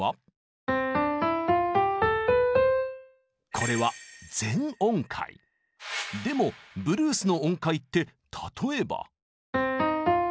これはでもブルースの音階って例えば。